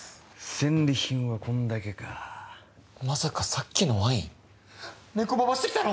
戦利品はこんだけかまさかさっきのワインネコババしてきたの！？